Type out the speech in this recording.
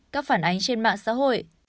các phản ánh trên mạng xã hội